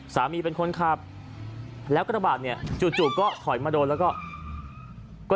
เป็นคนขับแล้วกระบาดเนี่ยจู่ก็ถอยมาโดนแล้วก็